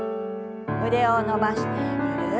腕を伸ばしてぐるっと。